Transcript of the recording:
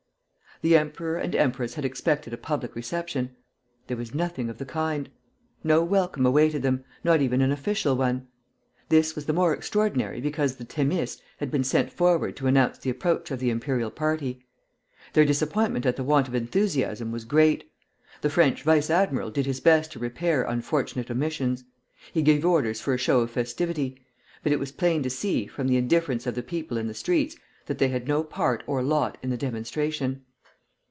The emperor and empress had expected a public reception. There was nothing of the kind. No welcome awaited them, not even an official one. This was the more extraordinary because the "Thémis" had been sent forward to announce the approach of the imperial party. Their disappointment at the want of enthusiasm was great. The French vice admiral did his best to repair unfortunate omissions. He gave orders for a show of festivity; but it was plain to see, from the indifference of the people in the streets, that they had no part or lot in the demonstration.